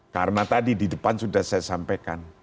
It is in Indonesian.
karena tadi di depan sudah saya sampaikan